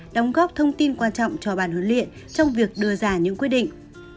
đóng góp thông tin quan trọng cho bàn huấn luyện trong việc đưa ra những quyết định